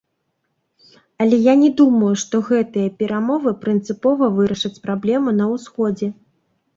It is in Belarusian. Але я не думаю, што гэтыя перамовы прынцыпова вырашаць праблему на ўсходзе.